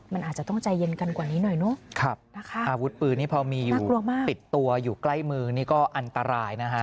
มันอาจจะต้องใจเย็นกันกว่านี้หน่อยเนอะนะคะอาวุธปืนนี่พอมีอยู่ติดตัวอยู่ใกล้มือนี่ก็อันตรายนะฮะ